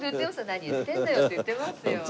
「何言ってんのよ」って言ってますよ。